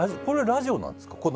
これはラジオなんですか？